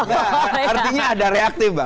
artinya ada reaktif bang